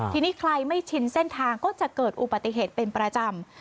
ทีนี้ใครไม่ชินเส้นทางก็จะเกิดอุบัติเหตุเป็นประจำ